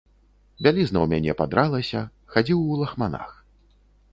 Бялізна ў мяне падралася, хадзіў у лахманах.